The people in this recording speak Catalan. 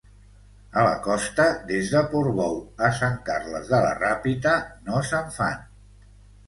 A la costa des de Portbou a Sant Carles de la Ràpita, no se'n fan.